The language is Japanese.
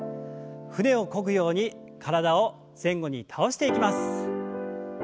船をこぐように体を前後に倒していきます。